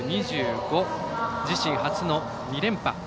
自身初の２連覇。